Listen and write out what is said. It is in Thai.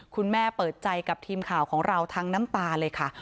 คุณแม่เปิดใจกับทีมข่าวของเราทั้งน้ำตาเลยค่ะ